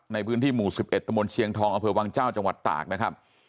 ในพื้นที่หมู่๑๑ตะมนต์เชียงทองอำเภอวังเจ้าจังหวัดตากนะครับ